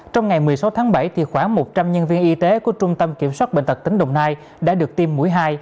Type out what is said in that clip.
trong ngày một mươi sáu tháng bảy khoảng một trăm linh nhân viên y tế của trung tâm kiểm soát bệnh tật tỉnh đồng nai đã được tiêm mũi hai